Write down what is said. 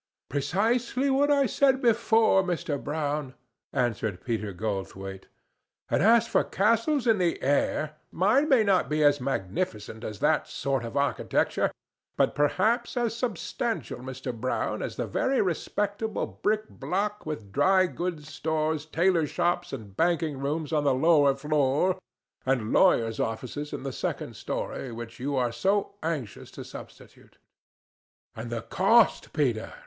"Precisely what I said before, Mr. Brown," answered Peter Goldthwaite. "And, as for castles in the air, mine may not be as magnificent as that sort of architecture, but perhaps as substantial, Mr. Brown, as the very respectable brick block with dry goods stores, tailors' shops and banking rooms on the lower floor, and lawyers' offices in the second story, which you are so anxious to substitute." "And the cost, Peter?